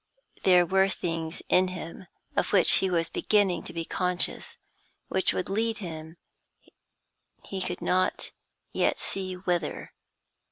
There were things in him of which he was beginning to be conscious, which would lead him he could not yet see whither.